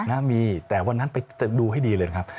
นะมีแต่วันนั้นไปจะดูให้ดีเลยนะครับ